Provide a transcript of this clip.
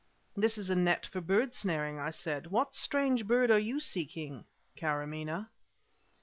"This is a net for bird snaring," I said. "What strange bird are you seeking Karamaneh?"